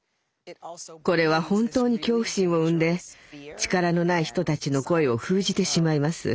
これは本当に恐怖心を生んで力のない人たちの声を封じてしまいます。